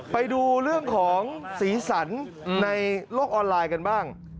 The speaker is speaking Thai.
ไปดูเรื่องของสีสันในโลกออนไลน์กันบ้าง